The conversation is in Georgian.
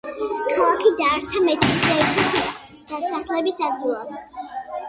ქალაქი დაარსდა მეთევზეთა დასახლების ადგილას.